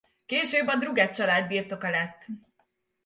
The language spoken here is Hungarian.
Később a Drugeth család birtoka lett.